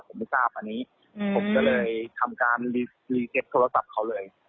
ผมไม่ทราบอันนี้ผมก็เลยทำการรีเซฟโทรศัพท์เขาเลย